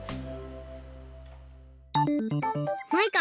マイカ